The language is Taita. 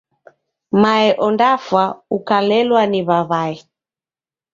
Mae ondafwa ukalelwa ni w'aw'ae.